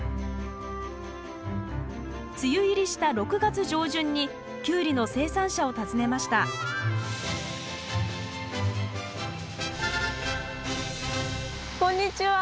梅雨入りした６月上旬にキュウリの生産者を訪ねましたこんにちは！